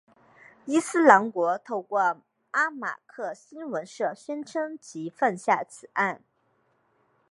伊斯兰国透过阿马克新闻社宣称其犯下此案。